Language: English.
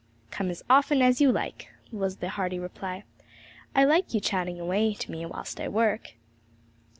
'Come as often as you like,' was the hearty reply; 'I like you chatting away to me whilst I work.'